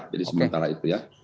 jadi sementara itu ya